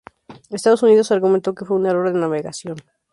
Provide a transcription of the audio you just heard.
Estados Unidos argumentó que fue un error de navegación.